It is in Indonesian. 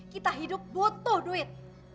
kita hidup butuh duit